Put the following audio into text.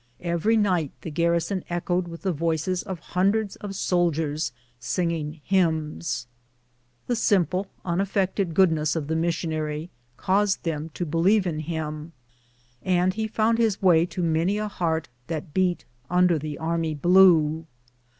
Every night the garrison echoed with the voices of hundreds of soldiers singing hymns. The simple, unaffected goodness of the missionary caused them to believe in liim, and he found his way to many a heart that beat under the array blue.